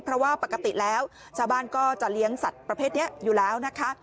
เพราะว่าปกติแล้วชาวบ้านก็จะเลี้ยงสัตว์ประเภทนี้อยู่แล้วนะคะ